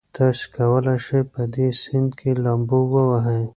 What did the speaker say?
تاسي کولای شئ په دې سیند کې لامبو ووهئ.